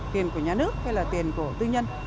tiền của nhà nước hay là tiền của tư nhân